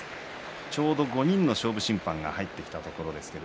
ちょうど５人の勝負審判が入ってきたところです。